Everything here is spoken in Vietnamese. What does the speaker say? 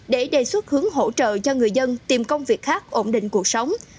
để đề xuất hướng hỗ trợ cho người dân tìm công việc khác ổn định cuộc sống